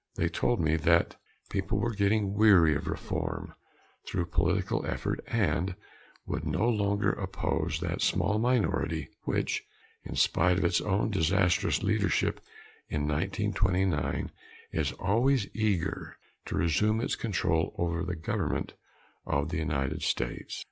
They told me that people were getting weary of reform through political effort and would no longer oppose that small minority which, in spite of its own disastrous leadership in 1929, is always eager to resume its control over the government of the United States.